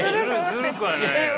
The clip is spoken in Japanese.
ずるくはないよ。